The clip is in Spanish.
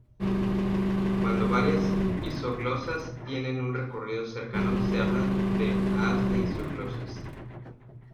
Cuando varias isoglosas tienen un recorrido cercano se habla de "haz de isoglosas".